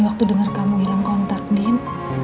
waktu dengar kamu hilang kontak din